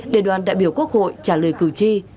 để đoàn đại biểu quốc hội trả lời cử tri